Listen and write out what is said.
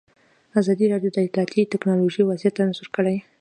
ازادي راډیو د اطلاعاتی تکنالوژي وضعیت انځور کړی.